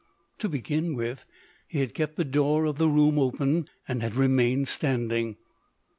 To begin with, he had kept the door of the room open, and had remained standing.